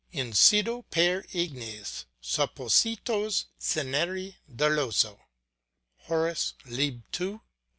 Incedo per ignes Suppositos cineri doloso. Horace, lib. ii.